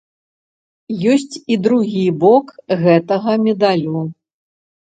Ёсць і другі бок гэтага медалю.